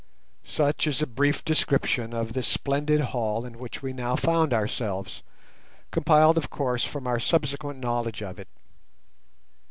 Such is a brief description of this splendid hall in which we now found ourselves, compiled of course from our subsequent knowledge of it.